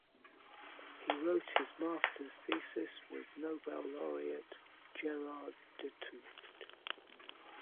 He wrote his Master's thesis with Nobel Laureate Gerard 't Hooft.